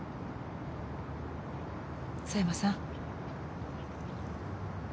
狭山さん。